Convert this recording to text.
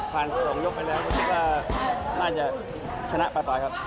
ผ่าน๒ยกไปแล้วก็คิดว่าน่าจะชนะไปต่อยครับ